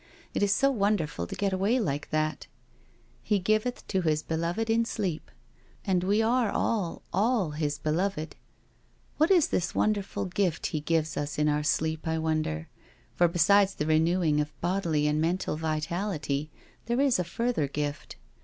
It is so wonderful to get away like that —* He giveth to His beloved in sleep '^ and we are all, all His beloved. What is this wonder ful gift He gives us in our sleep, I wonder? For be sides the renewing of bodily and mental vitality there is a further gift.